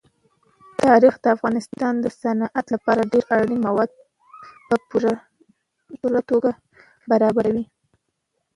تاریخ د افغانستان د صنعت لپاره ډېر اړین مواد په پوره توګه برابروي.